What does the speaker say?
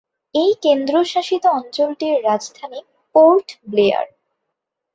এই কেন্দ্রশাসিত অঞ্চলটির রাজধানী পোর্ট ব্লেয়ার।